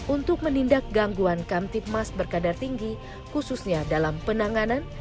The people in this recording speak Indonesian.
untuk menindak gangguan kamtipmas berkadar tinggi khususnya dalam penanganan